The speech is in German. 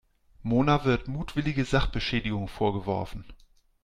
Mona wird mutwillige Sachbeschädigung vorgeworfen.